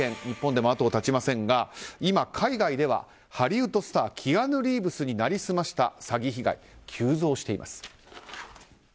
日本でも後を絶ちませんが今、海外ではハリウッドスターキアヌ・リーブスに成り済ました詐欺被害が急増しています。